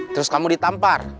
terus kamu ditampar